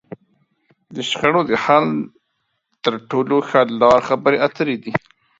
د شخړو د حل تر ټولو ښه لار؛ خبرې اترې دي.